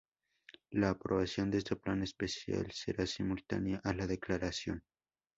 La aprobación de este plan especial será simultánea a la declaración.